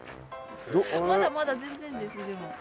まだまだ全然ですでも。